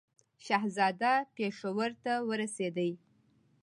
شهزاده پېښور ته ورسېدی.